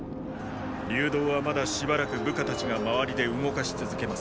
“流動”はまだしばらく部下たちが周りで動かし続けます。